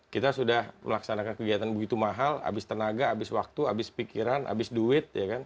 kita sudah melaksanakan kegiatan begitu mahal habis tenaga habis waktu habis pikiran habis duit